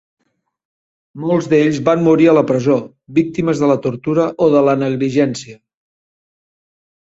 Molts d'ells van morir a la presó, víctimes de la tortura o de la negligència.